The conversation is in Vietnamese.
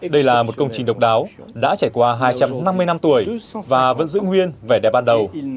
đây là một công trình độc đáo đã trải qua hai trăm năm mươi năm tuổi và vẫn giữ nguyên vẻ đẹp ban đầu